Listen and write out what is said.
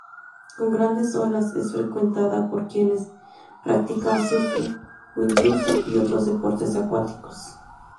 Con grandes olas, es frecuentada por quienes practican surf, windsurf y otros deportes acuáticos.